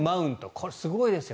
これはすごいですよ。